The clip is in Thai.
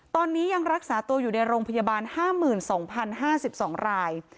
ตอนนี้ยังรักษาตัวอยู่ในโรงพยาบาล๕๒๐๕๒ราย